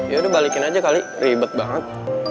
ya udah balikin aja kali ribet banget